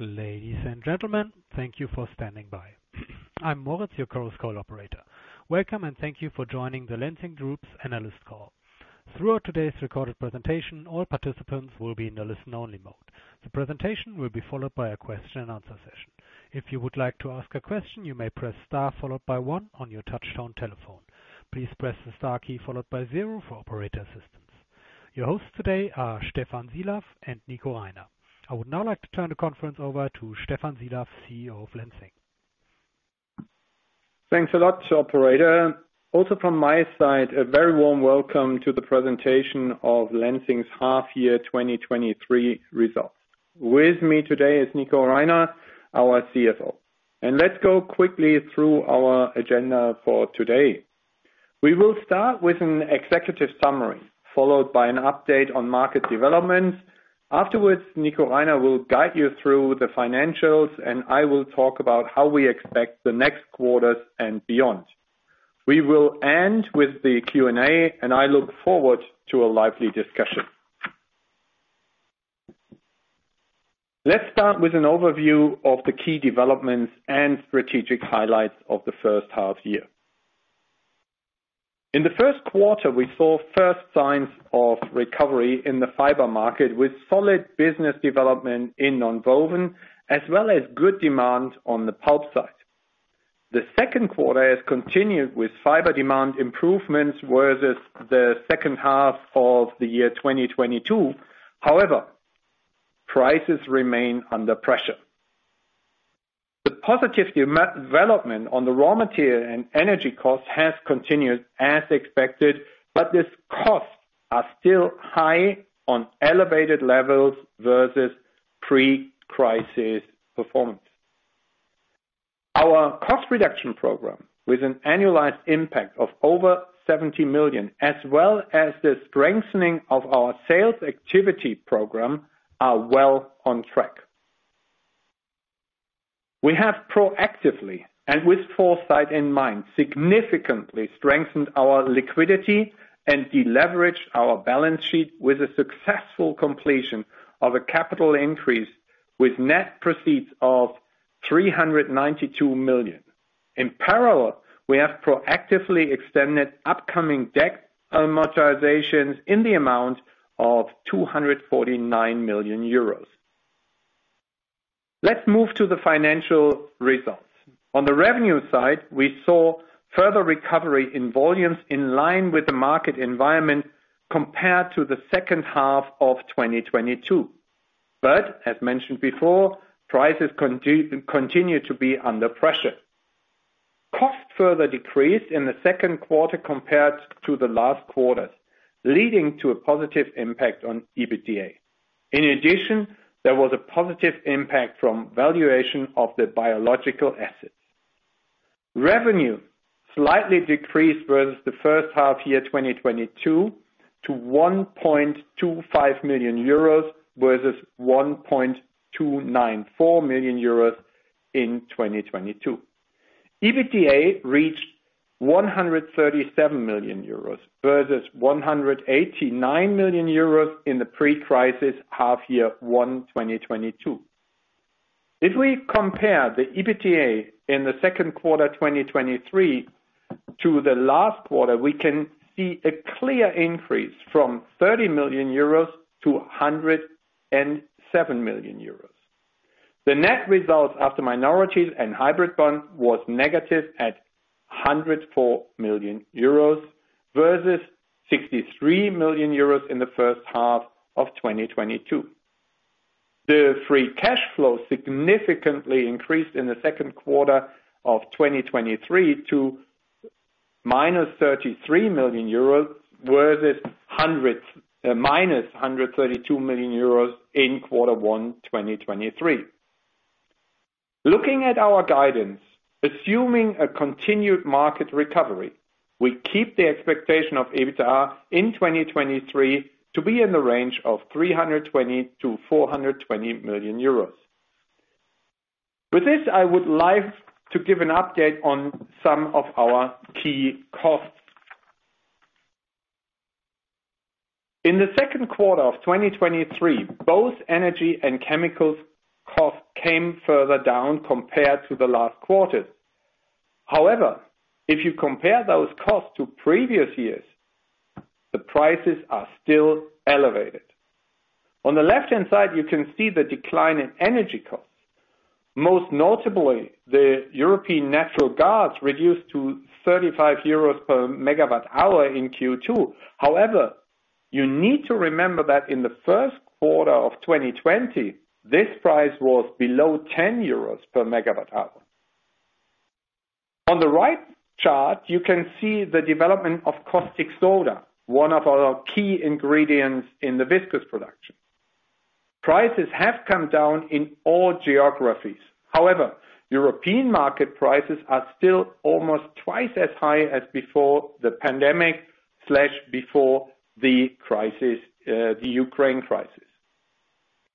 Ladies and gentlemen, thank you for standing by. I'm Moritz, your Chorus Call operator. Welcome, and thank you for joining the Lenzing Group's Analyst Call. Throughout today's recorded presentation, all participants will be in the listen-only mode. The presentation will be followed by a question and answer session. If you would like to ask a question, you may press star followed by one on your touchtone telephone. Please press the star key followed by zero for operator assistance. Your hosts today are Stephan Sielaff and Nico Reiner. I would now like to turn the conference over to Stephan Sielaff, CEO of Lenzing. Thanks a lot, operator. Also from my side, a very warm welcome to the presentation of Lenzing's half year 2023 results. With me today is Nico Reiner, our CFO. Let's go quickly through our agenda for today. We will start with an executive summary, followed by an update on market developments. Afterwards, Nico Reiner will guide you through the financials, and I will talk about how we expect the next quarters and beyond. We will end with the Q&A, and I look forward to a lively discussion. Let's start with an overview of the key developments and strategic highlights of the first half year. In the first quarter, we saw first signs of recovery in the fiber market, with solid business development in nonwoven, as well as good demand on the pulp side. The second quarter has continued with fiber demand improvements versus the second half of the year 2022. However, prices remain under pressure. The positive development on the raw material and energy costs has continued as expected, but these costs are still high on elevated levels versus pre-crisis performance. Our cost reduction program, with an annualized impact of over 70 million, as well as the strengthening of our sales activity program, are well on track. We have proactively, and with foresight in mind, significantly strengthened our liquidity and deleveraged our balance sheet with a successful completion of a capital increase with net proceeds of 392 million. In parallel, we have proactively extended upcoming debt amortizations in the amount of 249 million euros. Let's move to the financial results. On the revenue side, we saw further recovery in volumes in line with the market environment compared to the second half of 2022. As mentioned before, prices continue to be under pressure. Costs further decreased in the second quarter compared to the last quarter, leading to a positive impact on EBITDA. In addition, there was a positive impact from valuation of the biological assets. Revenue slightly decreased versus the first half year, 2022, to 1.25 billion euros, versus 1.294 billion euros in 2022. EBITDA reached 137 million euros, versus 189 million euros in the pre-crisis half year one, 2022. If we compare the EBITDA in the second quarter, 2023, to the last quarter, we can see a clear increase from 30 million euros to 107 million euros. The net result after minorities and hybrid bonds was negative at 104 million euros versus 63 million euros in the first half of 2022. The free cash flow significantly increased in the second quarter of 2023 to -33 million euros, versus -132 million euros in quarter one, 2023. Looking at our guidance, assuming a continued market recovery, we keep the expectation of EBITDA in 2023 to be in the range of 320 million-420 million euros. With this, I would like to give an update on some of our key costs. In the second quarter of 2023, both energy and chemicals costs came further down compared to the last quarter. However, if you compare those costs to previous years, the prices are still elevated. On the left-hand side, you can see the decline in energy costs, most notably the European natural gas, reduced to 35 euros per MWh in Q2. However, you need to remember that in the first quarter of 2020, this price was below 10 euros per MWh. On the right chart, you can see the development of caustic soda, one of our key ingredients in the viscose production. Prices have come down in all geographies. However, European market prices are still almost twice as high as before the pandemic/before the crisis, the Ukraine crisis.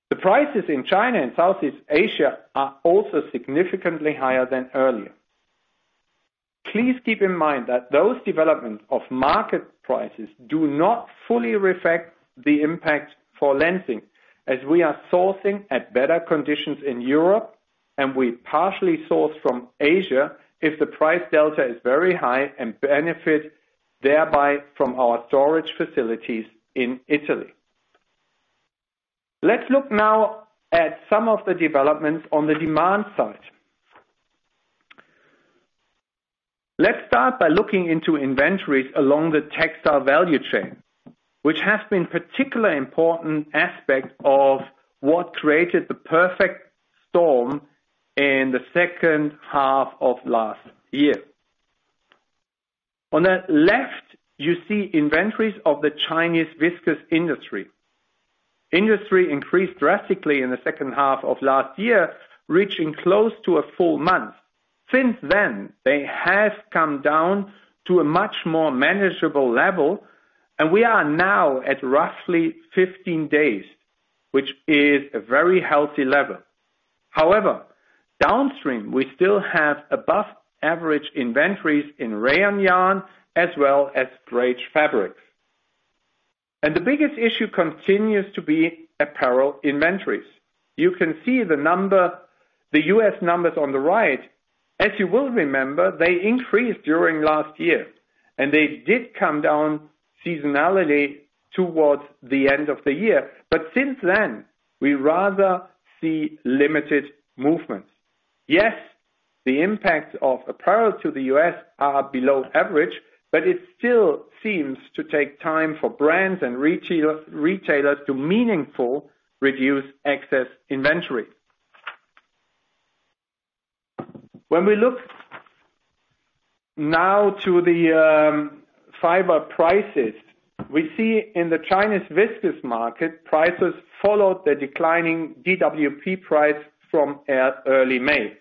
The prices in China and Southeast Asia are also significantly higher than earlier. Please keep in mind that those developments of market prices do not fully reflect the impact for Lenzing, as we are sourcing at better conditions in Europe, and we partially source from Asia if the price delta is very high, and benefit thereby from our storage facilities in Italy. Let's look now at some of the developments on the demand side. Let's start by looking into inventories along the textile value chain, which has been particularly important aspect of what created the perfect storm in the second half of last year. On the left, you see inventories of the Chinese viscose industry. Industry increased drastically in the second half of last year, reaching close to a full month. Since then, they have come down to a much more manageable level. We are now at roughly 15 days, which is a very healthy level. However, downstream, we still have above average inventories in rayon yarn as well as greige fabrics. The biggest issue continues to be apparel inventories. You can see the number, the U.S. numbers on the right. As you will remember, they increased during last year, and they did come down seasonality towards the end of the year. Since then, we rather see limited movements. Yes, the impact of apparel to the U.S. are below average, but it still seems to take time for brands and retailers to meaningful reduce excess inventory. When we look now to the fiber prices, we see in the Chinese viscose market, prices followed the declining DWP price from early May.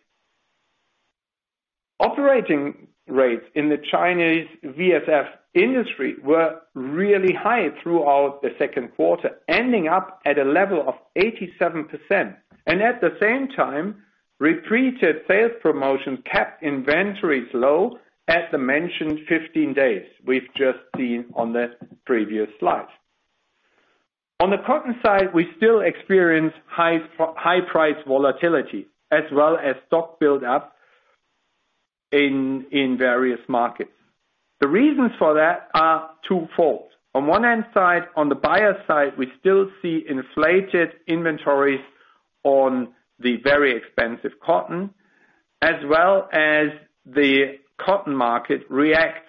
Operating rates in the Chinese VSF industry were really high throughout the second quarter, ending up at a level of 87%. At the same time, repeated sales promotion kept inventories low at the mentioned 15 days we've just seen on the previous slide. On the Cotton side, we still experience high price volatility, as well as stock build up in various markets. The reasons for that are twofold. On one hand side, on the buyer side, we still see inflated inventories on the very expensive cotton, as well as the cotton market reacts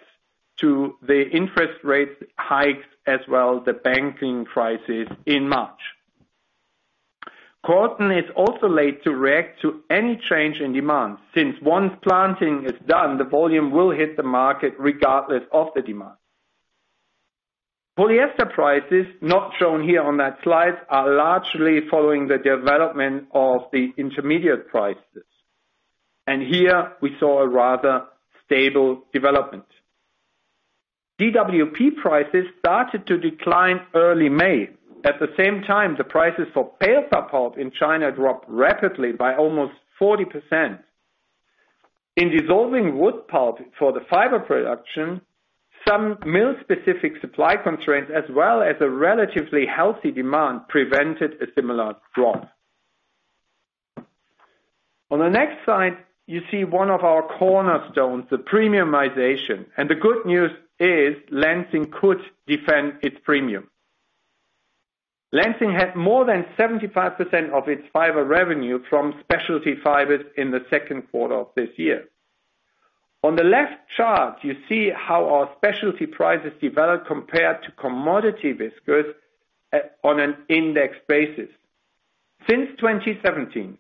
to the interest rate hikes, as well the banking crisis in March. Cotton is also late to react to any change in demand, since once planting is done, the volume will hit the market regardless of the demand. Polyester prices, not shown here on that slide, are largely following the development of the intermediate prices. Here we saw a rather stable development. DWP prices started to decline early May. At the same time, the prices for paper pulp in China dropped rapidly by almost 40%. In Dissolving Wood Pulp for the fiber production, some mill-specific supply constraints, as well as a relatively healthy demand, prevented a similar drop. On the next slide, you see one of our cornerstones, the premiumization. The good news is Lenzing could defend its premium. Lenzing had more than 75% of its fiber revenue from specialty fibers in the second quarter of this year. On the left chart, you see how our specialty prices developed compared to commodity viscose on an index basis. Since 2017,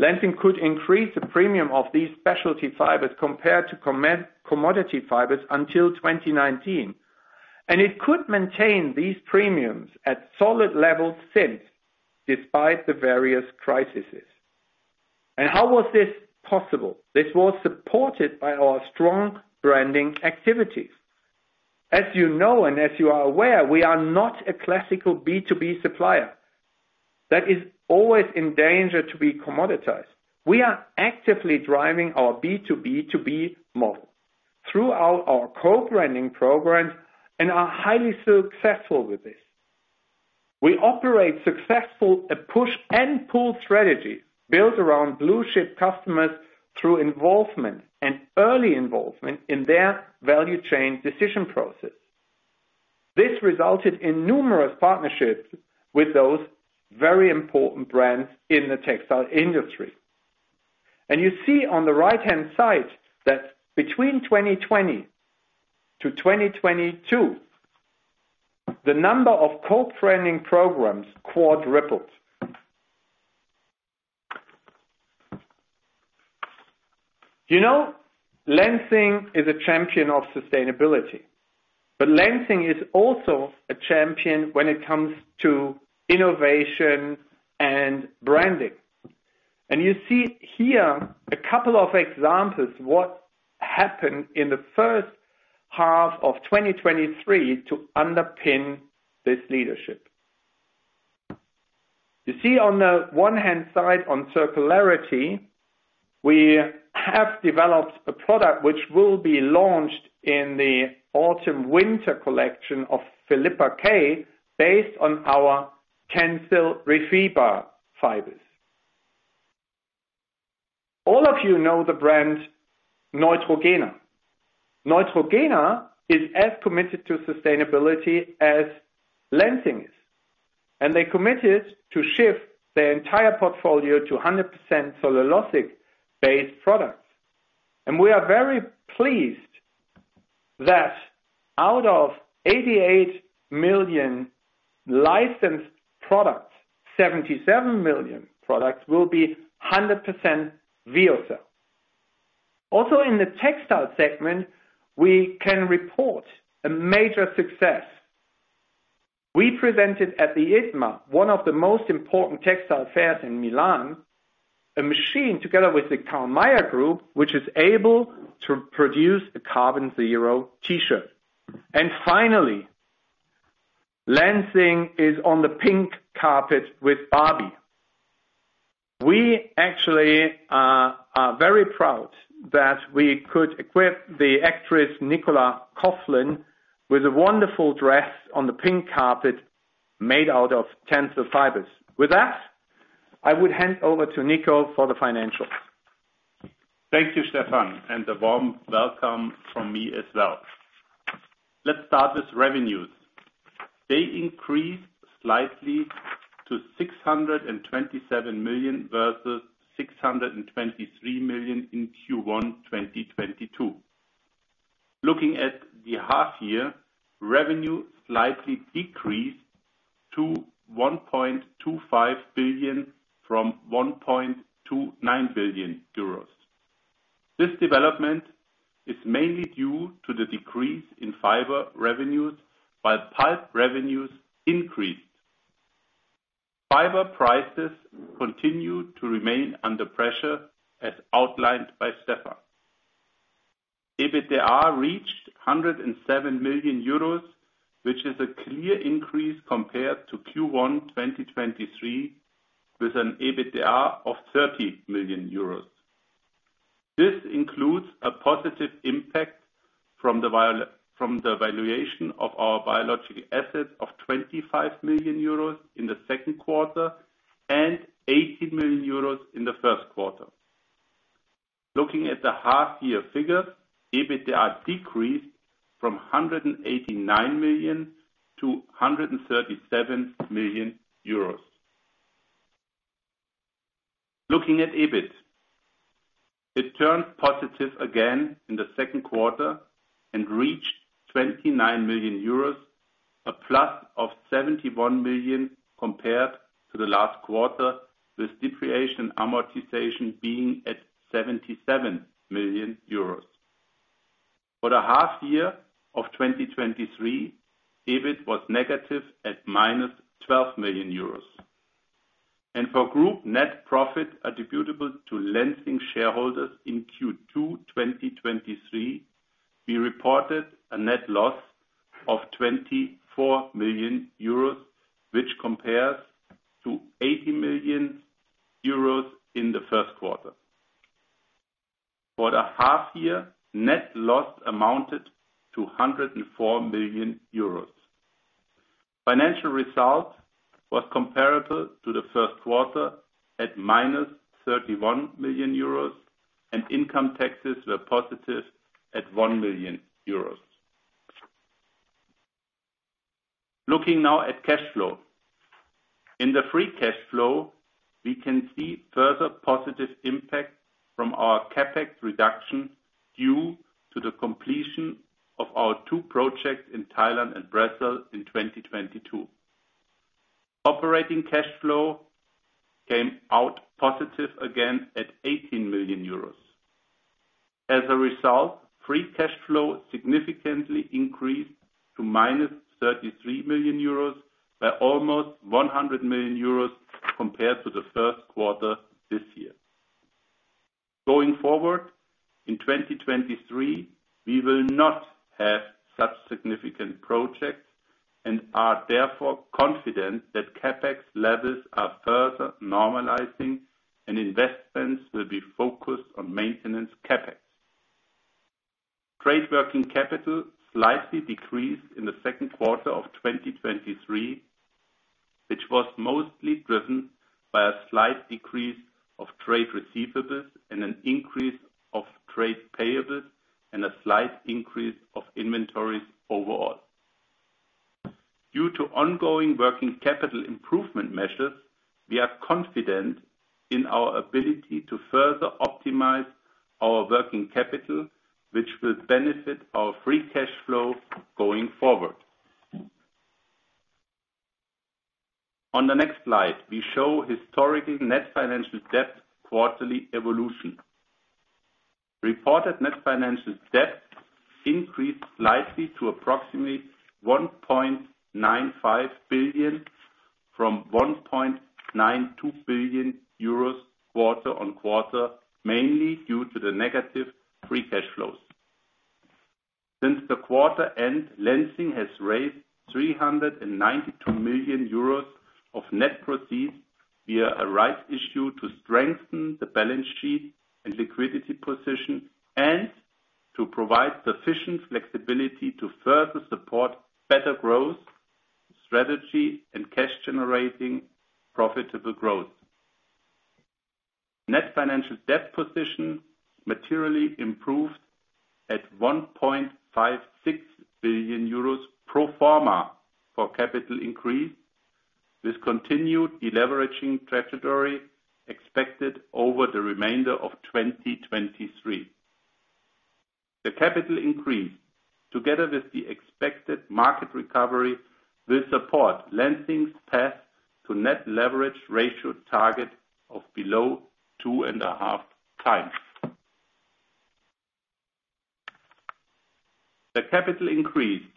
Lenzing could increase the premium of these specialty fibers compared to commodity fibers until 2019, and it could maintain these premiums at solid levels since, despite the various crises. How was this possible? This was supported by our strong branding activities. As you know, and as you are aware, we are not a classical B2B supplier that is always in danger to be commoditized. We are actively driving our B2B2B model throughout our co-branding programs and are highly successful with this. We operate successful, a push and pull strategy built around blue chip customers through involvement and early involvement in their value chain decision process. This resulted in numerous partnerships with those very important brands in the textile industry. You see on the right-hand side that between 2020 to 2022, the number of co-branding programs quadrupled. You know, Lenzing is a champion of sustainability, Lenzing is also a champion when it comes to innovation and branding. You see here a couple of examples, what happened in the first half of 2023 to underpin this leadership. You see on the one hand side on circularity, we have developed a product which will be launched in the autumn/winter collection of Filippa K, based on our TENCEL Refibra fibers. All of you know the brand Neutrogena. Neutrogena is as committed to sustainability as Lenzing is, and they committed to shift their entire portfolio to 100% cellulosic-based products. We are very pleased that out of 88 million licensed products, 77 million products will be 100% Lyocell. Also, in the textile segment, we can report a major success. We presented at the ITMA, one of the most important textile fairs in Milan, a machine together with the KARL MAYER Group, which is able to produce a carbon zero t-shirt. Finally, Lenzing is on the pink carpet with Barbie. We actually are very proud that we could equip the actress Nicola Coughlan, with a wonderful dress on the pink carpet made out of TENCEL fibers. With that, I would hand over to Nico for the financials. Thank you, Stephan. A warm welcome from me as well. Let's start with revenues. They increased slightly to 627 million, versus 623 million in Q1 2022. Looking at the half year, revenue slightly decreased to 1.25 billion from 1.29 billion euros. This development is mainly due to the decrease in fiber revenues, while pulp revenues increased. Fiber prices continued to remain under pressure, as outlined by Stephan. EBITDA reached 107 million euros, which is a clear increase compared to Q1 2023, with an EBITDA of 30 million euros. This includes a positive impact from the valuation of our biological assets of 25 million euros in the second quarter, and 18 million euros in the first quarter. Looking at the half year figures, EBITDA decreased from 189 million to 137 million euros. Looking at EBIT, it turned positive again in the second quarter and reached 29 million euros, a plus of 71 million compared to the last quarter, with depreciation and amortization being at 77 million euros. For the half year of 2023, EBIT was negative at -12 million euros. For group net profit attributable to Lenzing shareholders in Q2 2023, we reported a net loss of 24 million euros, which compares to 80 million euros in the first quarter. For the half year, net loss amounted to 104 million euros. Financial result was comparable to the first quarter, at -31 million euros, and income taxes were positive at 1 million euros. Looking now at cash flow. In the free cash flow, we can see further positive impact from our CapEx reduction due to the completion of our two projects in Thailand and Brazil in 2022. Operating cash flow came out positive again at 18 million euros. As a result, free cash flow significantly increased to -33 million euros, by almost 100 million euros compared to the first quarter this year. Going forward, in 2023, we will not have such significant projects and are therefore confident that CapEx levels are further normalizing, and investments will be focused on maintenance CapEx. Trade working capital slightly decreased in the second quarter of 2023, which was mostly driven by a slight decrease of trade receivables and an increase of trade payables, and a slight increase of inventories overall. Due to ongoing working capital improvement measures, we are confident in our ability to further optimize our working capital, which will benefit our free cash flow going forward. On the next slide, we show historically net financial debt quarterly evolution. Reported net financial debt increased slightly to approximately 1.95 billion from 1.92 billion euros quarter-on-quarter, mainly due to the negative free cash flows. Since the quarter end, Lenzing has raised 392 million euros of net proceeds via a rights issue to strengthen the balance sheet and liquidity position, and to provide sufficient flexibility to further support better growth, strategy, and cash generating profitable growth. Net financial debt position materially improved at 1.56 billion euros pro forma for capital increase, with continued deleveraging trajectory expected over the remainder of 2023. The capital increase, together with the expected market recovery, will support Lenzing's path to net leverage ratio target of below 2.5x. The capital increased,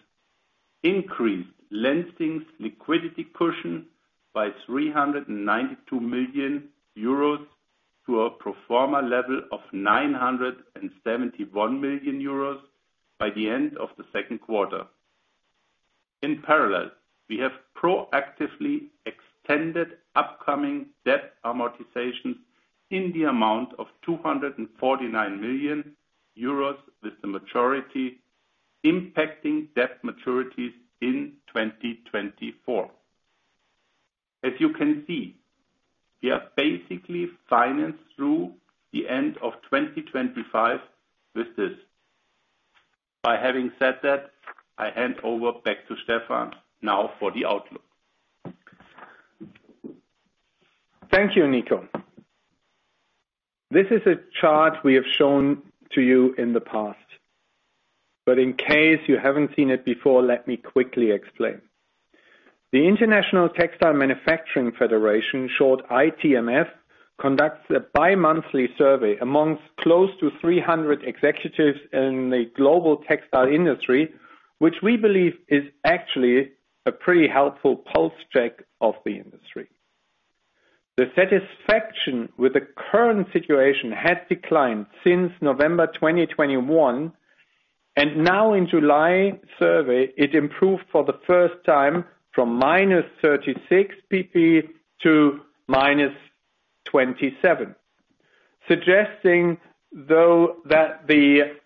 increased Lenzing's liquidity cushion by 392 million euros to a pro forma level of 971 million euros by the end of the second quarter. In parallel, we have proactively extended upcoming debt amortizations in the amount of 249 million euros, with the maturity impacting debt maturities in 2024. As you can see, we are basically financed through the end of 2025 with this. By having said that, I hand over back to Stephan now for the outlook. Thank you, Nico. This is a chart we have shown to you in the past. In case you haven't seen it before, let me quickly explain. The International Textile Manufacturers Federation, short ITMF, conducts a bi-monthly survey amongst close to 300 executives in the global textile industry, which we believe is actually a pretty helpful pulse check of the industry. The satisfaction with the current situation has declined since November 2021. Now in July survey, it improved for the first time from -36 PP to -27 PP. Suggesting, though, that the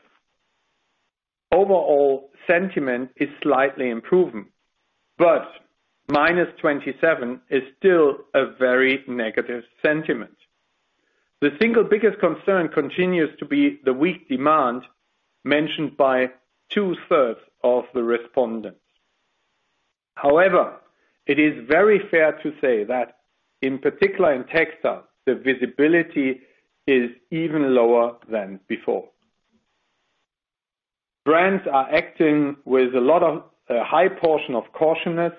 overall sentiment is slightly improving. -27 is still a very negative sentiment. The single biggest concern continues to be the weak demand mentioned by 2/3 of the respondents. However, it is very fair to say that, in particular in textile, the visibility is even lower than before. Brands are acting with a lot of high portion of cautiousness.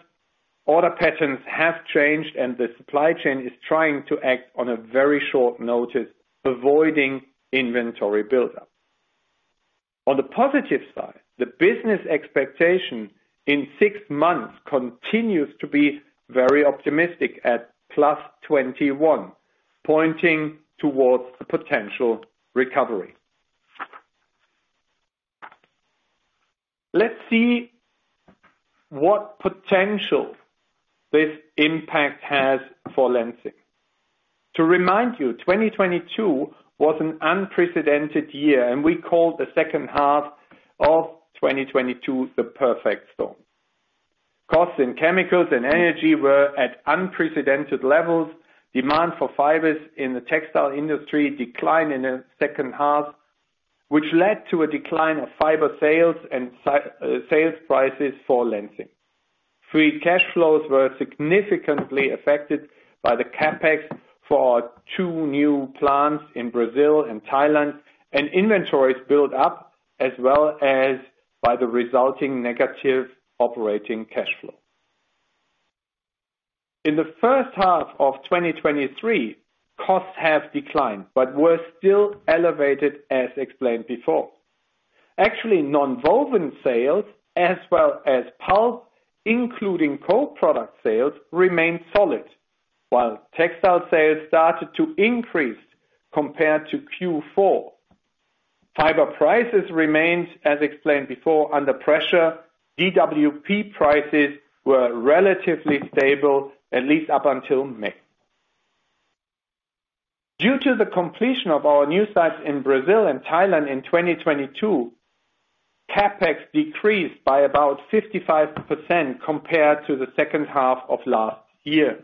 Order patterns have changed, and the supply chain is trying to act on a very short notice, avoiding inventory buildup. On the positive side, the business expectation in six months continues to be very optimistic at +21 PP, pointing towards a potential recovery. Let's see what potential this impact has for Lenzing. To remind you, 2022 was an unprecedented year, and we called the second half of 2022, the perfect storm. Costs in chemicals and energy were at unprecedented levels. Demand for fibers in the textile industry declined in the second half, which led to a decline of fiber sales and sales prices for Lenzing. Free cash flows were significantly affected by the CapEx for two new plants in Brazil and Thailand, and inventories built up as well as by the resulting negative operating cash flow. In the first half of 2023, costs have declined, but were still elevated, as explained before. Actually, nonwoven sales as well as pulp, including co-product sales, remained solid, while textile sales started to increase compared to Q4. Fiber prices remained, as explained before, under pressure. DWP prices were relatively stable, at least up until May. Due to the completion of our new sites in Brazil and Thailand in 2022, CapEx decreased by about 55% compared to the second half of last year.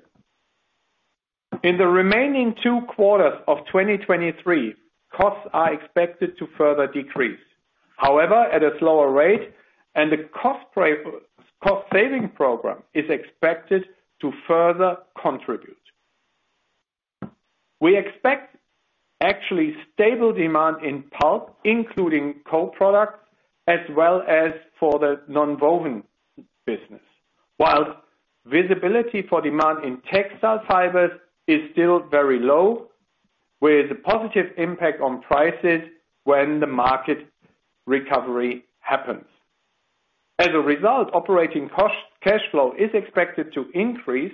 In the remaining two quarters of 2023, costs are expected to further decrease. However, at a slower rate, and the cost saving program is expected to further contribute. We expect actually stable demand in pulp, including co-products, as well as for the nonwoven business. While visibility for demand in textile fibers is still very low, with a positive impact on prices when the market recovery happens. As a result, operating cost cash flow is expected to increase,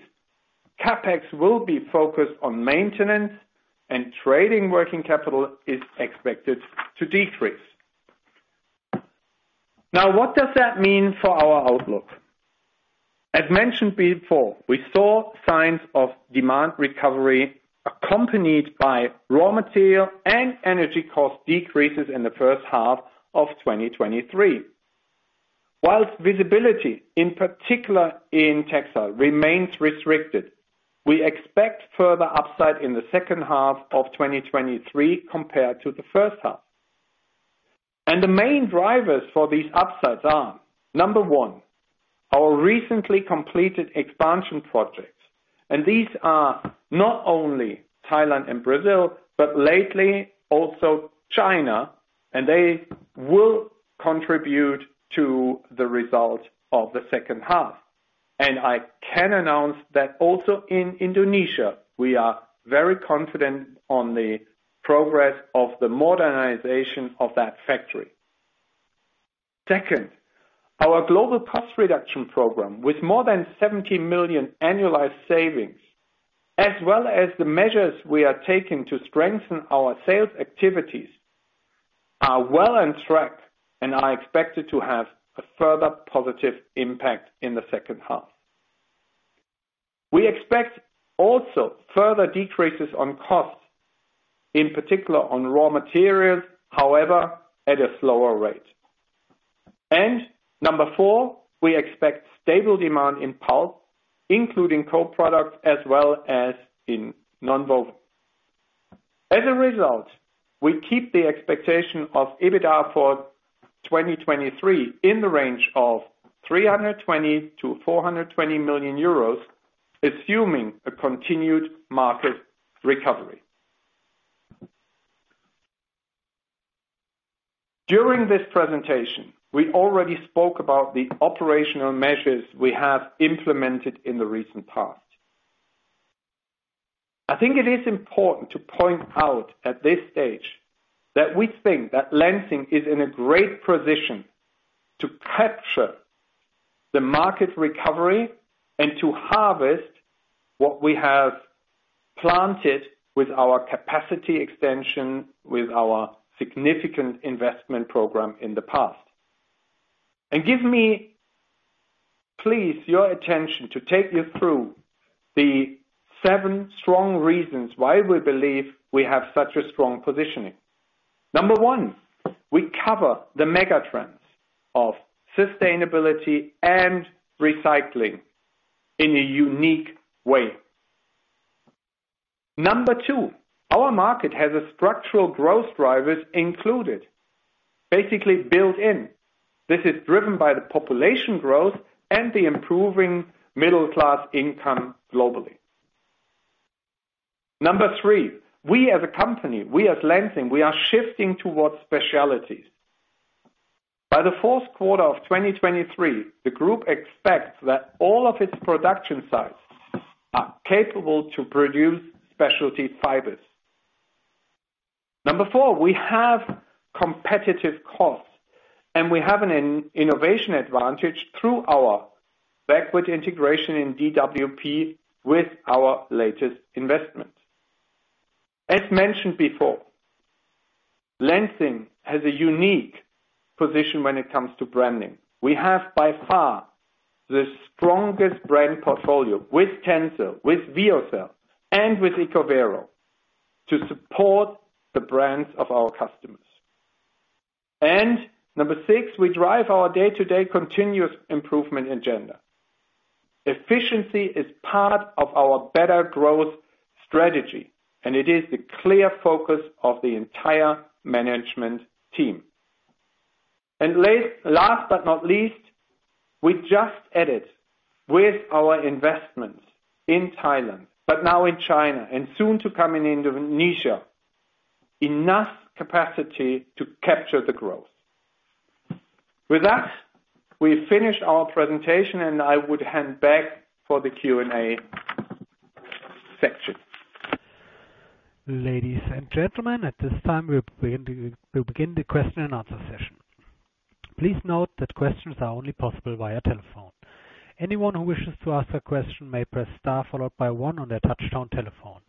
CapEx will be focused on maintenance, and trading working capital is expected to decrease. What does that mean for our outlook? As mentioned before, we saw signs of demand recovery accompanied by raw material and energy cost decreases in the first half of 2023. Whilst visibility, in particular in textile, remains restricted, we expect further upside in the second half of 2023 compared to the first half. The main drivers for these upsides are, number one, our recently completed expansion projects, and these are not only Thailand and Brazil, but lately also China, and they will contribute to the result of the second half. I can announce that also in Indonesia, we are very confident on the progress of the modernization of that factory. Second, our global cost reduction program, with more than 70 million annualized savings, as well as the measures we are taking to strengthen our sales activities, are well on track and are expected to have a further positive impact in the second half. We expect also further decreases on costs, in particular on raw materials, however, at a slower rate. Number four, we expect stable demand in pulp, including co-products as well as in nonwoven. As a result, we keep the expectation of EBITDA for 2023 in the range of 320 million-400 million euros, assuming a continued market recovery. During this presentation, we already spoke about the operational measures we have implemented in the recent past. I think it is important to point out at this stage that we think that Lenzing is in a great position to capture the market recovery and to harvest what we have planted with our capacity extension, with our significant investment program in the past. Give me, please, your attention to take you through the seven strong reasons why we believe we have such a strong positioning. Number one, we cover the mega trends of sustainability and recycling in a unique way. Number two, our market has a structural growth drivers included, basically built in. This is driven by the population growth and the improving middle class income globally. Number three, we as a company, we as Lenzing, we are shifting towards specialties. By the fourth quarter of 2023, the group expects that all of its production sites are capable to produce specialty fibers. Number fourth, we have competitive costs, and we have an in- innovation advantage through our backward integration in DWP with our latest investment. As mentioned before, Lenzing has a unique position when it comes to branding. We have, by far, the strongest brand portfolio with TENCEL, with Veocel, and with EcoVero to support the brands of our customers. Number six, we drive our day-to-day continuous improvement agenda. Efficiency is part of our better growth strategy, and it is the clear focus of the entire management team. Last but not least, we just added with our investments in Thailand, but now in China, and soon to come in Indonesia, enough capacity to capture the growth. With that, we've finished our presentation, and I would hand back for the Q&A section. Ladies and gentlemen, at this time, we'll begin the question and answer session. Please note that questions are only possible via telephone. Anyone who wishes to ask a question may press star followed by one on their touchtone telephone.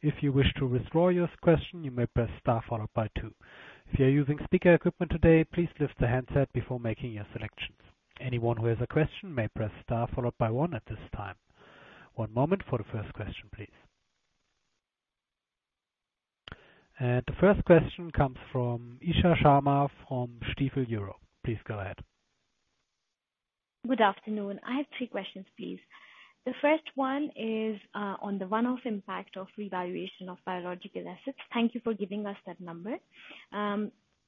If you wish to withdraw your question, you may press star followed by two. If you're using speaker equipment today, please lift the handset before making your selections. Anyone who has a question may press star followed by one at this time. One moment for the first question, please. The first question comes from Isha Sharma, from Stifel Europe. Please go ahead. Good afternoon. I have three questions, please. The first one is on the one-off impact of revaluation of biological assets. Thank you for giving us that number.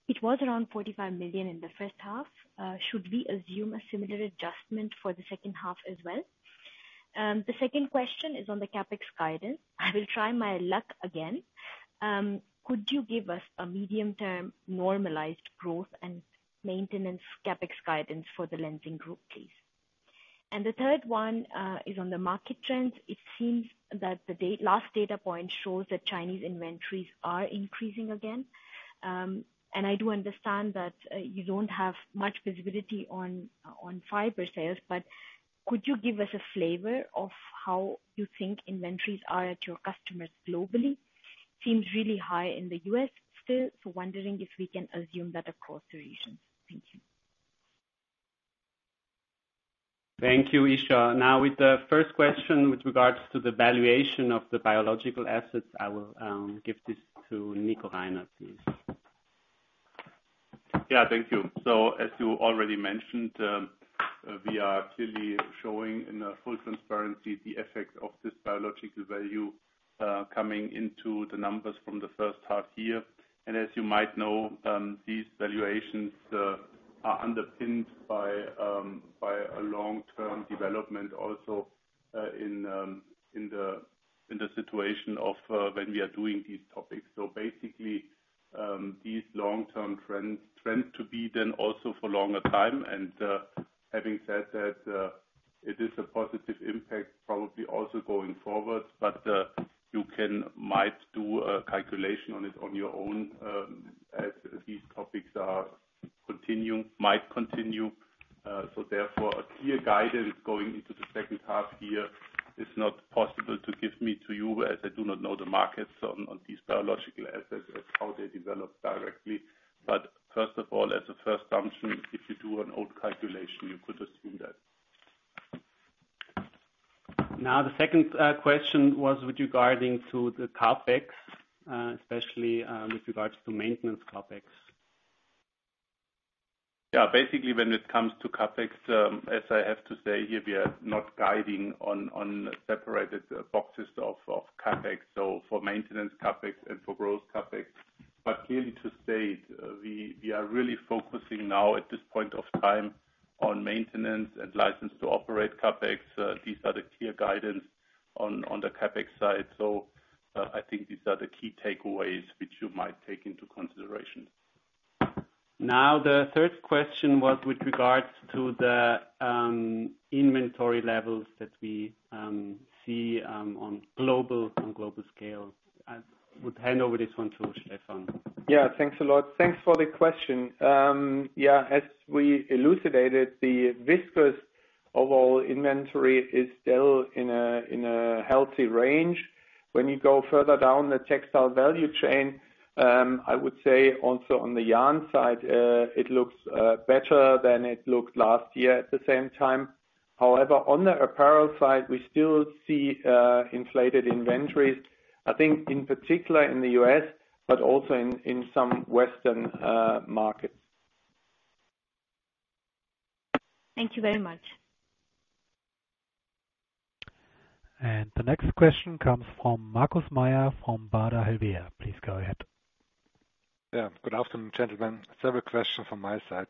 It was around 45 million in the first half. Should we assume a similar adjustment for the second half as well? The second question is on the CapEx guidance. I will try my luck again. Could you give us a medium-term normalized growth and maintenance CapEx guidance for the Lenzing Group, please?.The third one is on the market trends. It seems that the last data point shows that Chinese inventories are increasing again. I do understand that you don't have much visibility on fiber sales, but could you give us a flavor of how you think inventories are at your customers globally? Seems really high in the U.S. still, so wondering if we can assume that across the regions. Thank you. Thank you, Isha. With the first question with regards to the valuation of the biological assets, I will give this to Nico Reiner, please. Yeah, thank you. As you already mentioned, we are clearly showing in a full transparency the effect of this biological value coming into the numbers from the first half year. As you might know, these valuations are underpinned by a long-term development also in the situation of when we are doing these topics. Basically, these long-term trends to be then also for longer time. Having said that, it is a positive impact, probably also going forward. You might do a calculation on it on your own, as these topics are continuing, might continue. Therefore, a clear guidance going into the second half year is not possible to give me to you, as I do not know the markets on these biological assets, as how they develop directly. First of all, as a first assumption, if you do an old calculation, you could assume that. Now, the second question was with regarding to the CapEx, especially, with regards to maintenance CapEx. Yeah, basically, when it comes to CapEx, as I have to say here, we are not guiding on, on separated boxes of, of CapEx, so for maintenance CapEx and for growth CapEx. Clearly to state, we, we are really focusing now at this point of time, on maintenance and license to operate CapEx. These are the clear guidance on, on the CapEx side. I think these are the key takeaways which you might take into consideration. Now, the third question was with regards to the inventory levels that we see on global, on global scale. I would hand over this one to Stephan. Yeah. Thanks a lot. Thanks for the question. Yeah, as we elucidated, the viscose overall inventory is still in a healthy range. When you go further down the textile value chain, I would say also on the yarn side, it looks better than it looked last year at the same time. However, on the apparel side, we still see inflated inventories. I think, in particular in the U.S., but also in some Western markets. Thank you very much. The next question comes from Markus Mayer, from Baader Helvea. Please go ahead. Yeah. Good afternoon, gentlemen. Several questions from my side.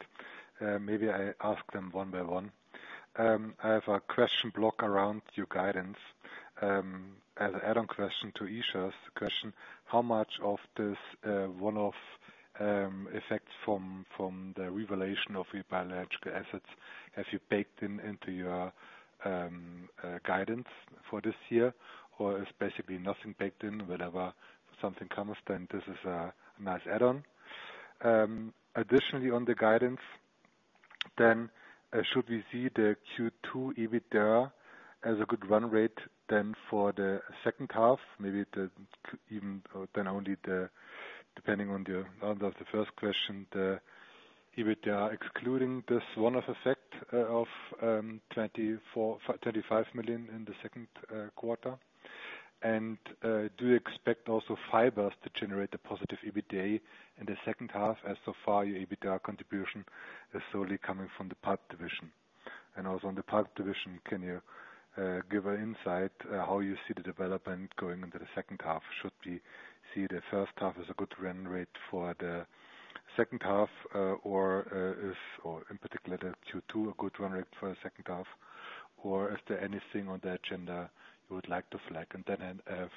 Maybe I ask them one by one. I have a question block around your guidance. As a add-on question to Isha's question: How much of this one-off effects from the revaluation of your biological assets, have you baked in into your guidance for this year? Is basically nothing baked in, whatever something comes, then this is a nice add-on. Additionally, on the guidance, then, should we see the Q2 EBITDA as a good run rate then for the second half, maybe even then only the, depending on the, on the first question, the EBITDA, excluding this one-off effect, of 24 million-25 million in the second quarter? Do you expect also fibers to generate a positive EBITDA in the second half, as so far, your EBITDA contribution is solely coming from the Pulp Division. Also, on the Pulp Division, can you give an insight how you see the development going into the second half? Should we see the first half as a good run rate for the second half, or if, or in particular, the Q2, a good run rate for the second half, or is there anything on the agenda you would like to flag? Then I have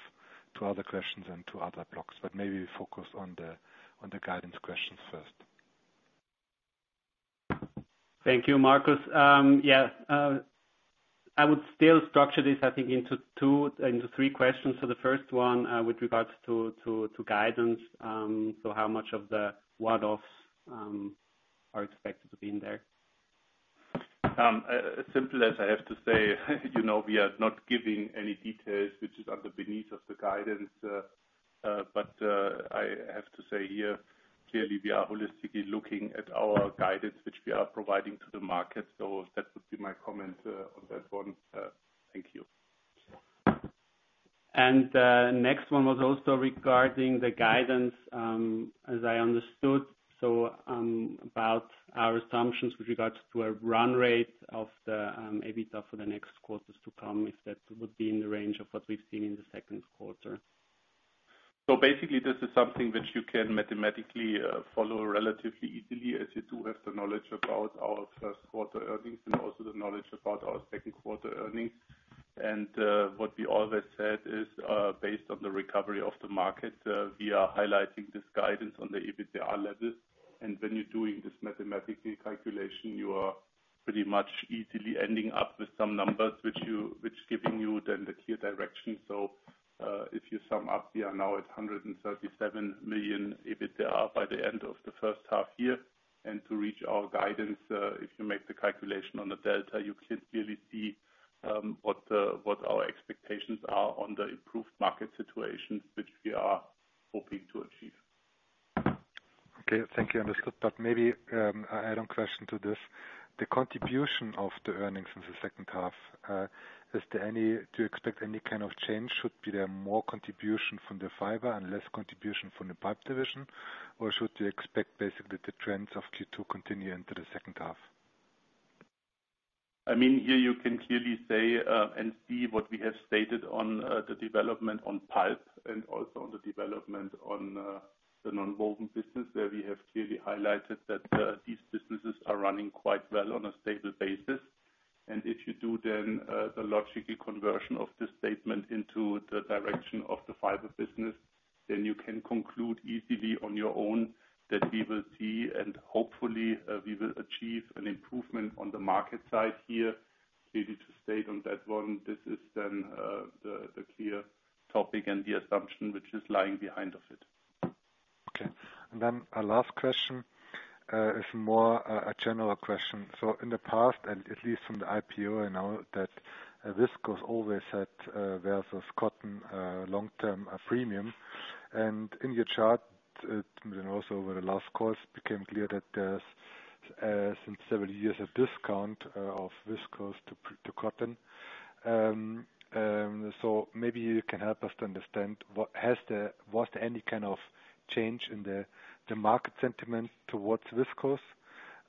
two other questions and two other blocks, but maybe focus on the guidance questions first. Thank you, Markus. Yeah, I would still structure this, I think, into two, into three questions. The first one, with regards to, to, to guidance, how much of the one-offs are expected to be in there? As simple as I have to say, you know, we are not giving any details, which is under beneath of the guidance. I have to say here, clearly, we are holistically looking at our guidance, which we are providing to the market. That would be my comment on that one. Thank you. Next one was also regarding the guidance, as I understood, about our assumptions with regards to a run rate of the EBITDA for the next quarters to come, if that would be in the range of what we've seen in the second quarter. Basically, this is something which you can mathematically follow relatively easily, as you do have the knowledge about our first quarter earnings and also the knowledge about our second quarter earnings. What we always said is, based on the recovery of the market, we are highlighting this guidance on the EBITDA levels. When you're doing this mathematically calculation, you are pretty much easily ending up with some numbers which giving you then the clear direction. If you sum up, we are now at 137 million EBITDA by the end of the first half year. To reach our guidance, if you make the calculation on the delta, you can clearly see what our expectations are on the improved market situation, which we are hoping to achieve. Okay, thank you. Understood. Maybe, a add-on question to this. The contribution of the earnings in the second half, is there do you expect any kind of change? Should be there more contribution from the fiber and less contribution from the Pulp Division, or should we expect basically the trends of Q2 continue into the second half? I mean, here you can clearly say, and see what we have stated on, the development on pulp and also on the development on, the nonwoven business, where we have clearly highlighted that, these businesses are running quite well on a stable basis. If you do then, the logical conversion of this statement into the direction of the fiber business, then you can conclude easily on your own that we will see, and hopefully, we will achieve an improvement on the market side here. Easy to state on that one, this is then, the, the clear topic and the assumption which is lying behind of it. Okay. A last question is more a general question. In the past, at least from the IPO, I know that viscose always had versus cotton long-term premium. In your chart, also over the last calls, became clear that there's since several years a discount of viscose to cotton. Maybe you can help us to understand, was there any kind of change in the market sentiment towards viscose?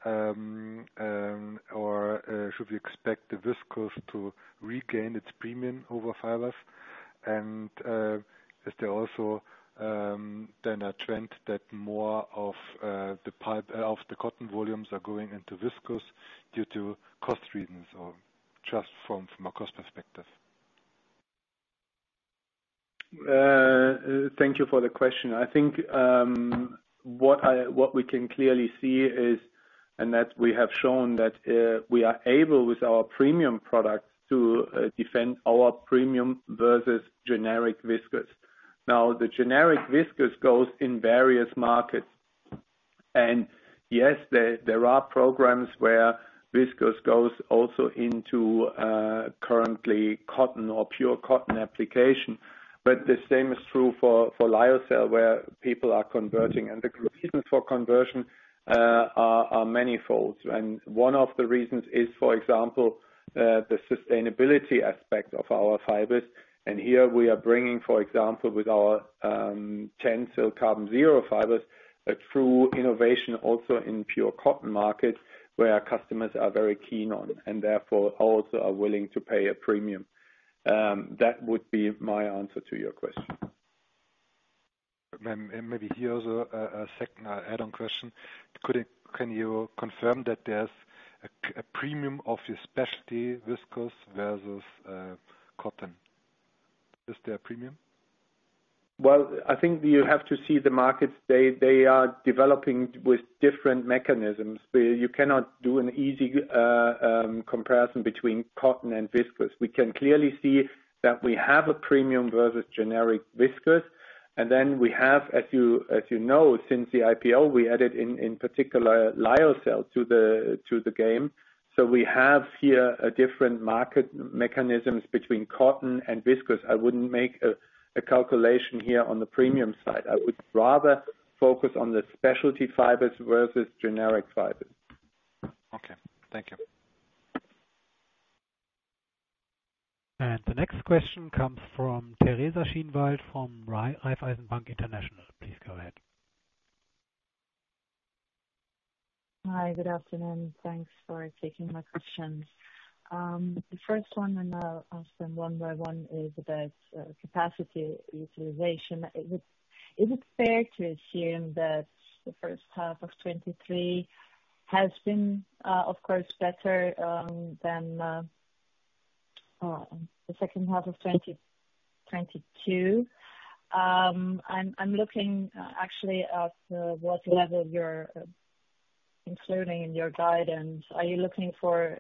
Or should we expect the viscose to regain its premium over fibers? Is there also then a trend that more of the cotton volumes are going into viscose due to cost reasons or just from a cost perspective? Thank you for the question. I think, what I, what we can clearly see is, and that we have shown, that, we are able, with our premium product, to, defend our premium versus generic viscose. Now, the generic viscose goes in various markets. And yes, there, there are programs where viscose goes also into, currently cotton or pure cotton application. But the same is true for, for lyocell, where people are converting. And the reasons for conversion, are, are manyfold. And one of the reasons is, for example, the sustainability aspect of our fibers. And here we are bringing, for example, with our, TENCEL Carbon Zero fibers, through innovation also in pure cotton market, where our customers are very keen on, and therefore also are willing to pay a premium. That would be my answer to your question. Maybe here's a second add-on question. Can you confirm that there's a premium of your specialty viscose versus cotton? Is there a premium? Well, I think you have to see the markets. They, they are developing with different mechanisms. You cannot do an easy comparison between cotton and viscose. We can clearly see that we have a premium versus generic viscose, and then we have, as you, as you know, since the IPO, we added in, in particular, lyocell to the, to the game. We have here a different market mechanisms between cotton and viscose. I wouldn't make a calculation here on the premium side. I would rather focus on the specialty fibers versus generic fibers. Okay. Thank you. The next question comes from Teresa Schinwald, from Raiffeisen Bank International. Please go ahead. Hi, good afternoon. Thanks for taking my questions. The first one, and I'll ask them one by one, is about capacity utilization. Is it, is it fair to assume that the first half of 2023 has been, of course, better than the second half of 2022? I'm, I'm looking actually at what level you're including in your guidance. Are you looking for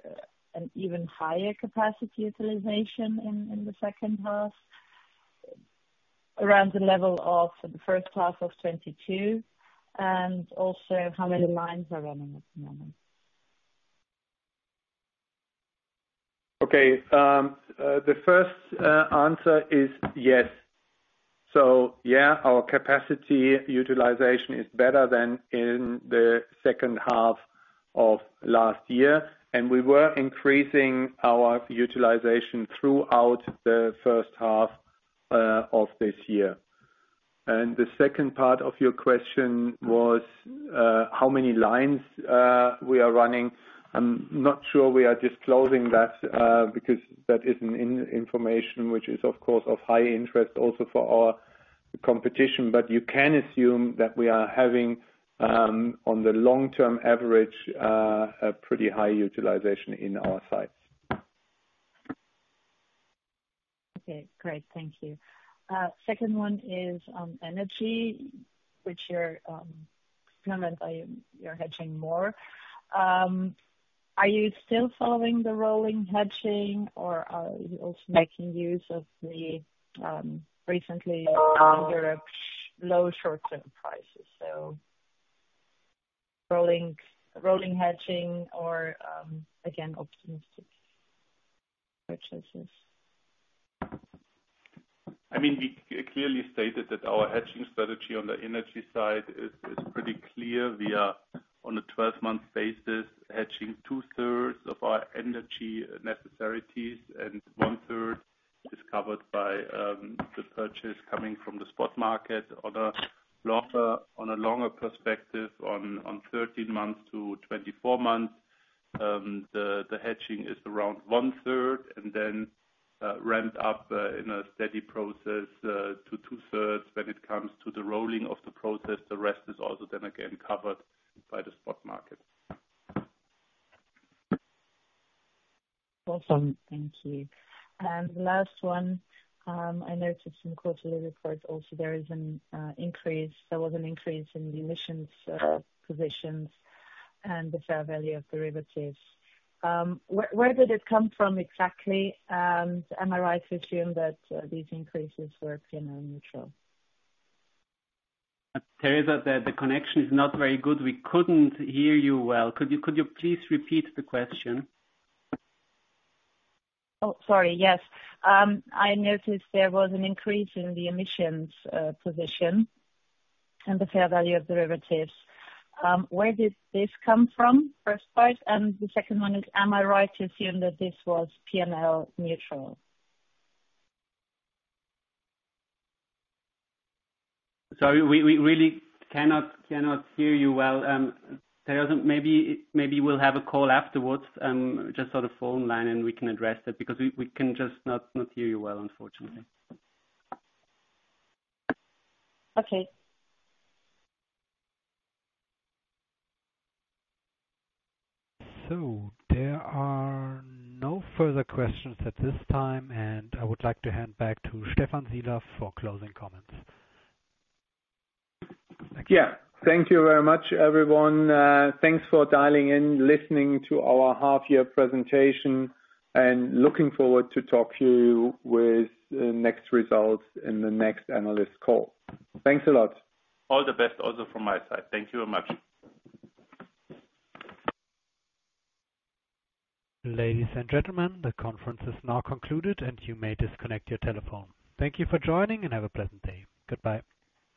an even higher capacity utilization in the second half, around the level of the first half of 2022? Also, how many lines are running at the moment? Okay. The first answer is yes. Yeah, our capacity utilization is better than in the second half of last year, and we were increasing our utilization throughout the first half of this year. The second part of your question was how many lines we are running. I'm not sure we are disclosing that because that is information, which is, of course, of high interest also for the competition, but you can assume that we are having on the long-term average a pretty high utilization in our sites. Okay, great. Thank you. Second one is on energy, which you're commented by you're hedging more. Are you still following the rolling hedging, or are you also making use of the recently Europe low short-term prices? Rolling, rolling hedging or again, optimistic purchases. I mean, we clearly stated that our hedging strategy on the energy side is pretty clear. We are on a 12-month basis, hedging 2/3 of our energy necessities, and 1/3 is covered by the purchase coming from the spot market. On a longer perspective, on 13 months to 24 months, the hedging is around 1/3, and then ramped up in a steady process to 2/3 when it comes to the rolling of the process. The rest is also then again covered by the spot market. Awesome, thank you. The last one, I noticed in quarterly reports also there was an increase in the emissions positions and the fair value of derivatives. Where did it come from exactly? Am I right to assume that these increases were P&L neutral? Teresa, the connection is not very good. We couldn't hear you well. Could you please repeat the question? Oh, sorry. Yes. I noticed there was an increase in the emissions position and the fair value of derivatives. Where did this come from? First part, and the second one is, am I right to assume that this was P&L neutral? Sorry, we, we really cannot, cannot hear you well. Teresa, maybe, maybe we'll have a call afterwards, just on the phone line, and we can address that because we, we can just not, not hear you well, unfortunately. Okay. There are no further questions at this time, and I would like to hand back to Stephan Sielaff for closing comments. Yeah. Thank you very much, everyone. Thanks for dialing in, listening to our half-year presentation, and looking forward to talk to you with the next results in the next analyst call. Thanks a lot. All the best also from my side. Thank you very much. Ladies and gentlemen, the conference is now concluded, and you may disconnect your telephone. Thank you for joining, and have a pleasant day. Goodbye.